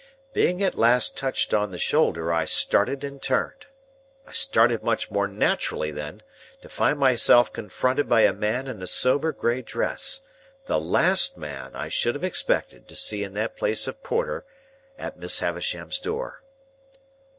Being at last touched on the shoulder, I started and turned. I started much more naturally then, to find myself confronted by a man in a sober grey dress. The last man I should have expected to see in that place of porter at Miss Havisham's door.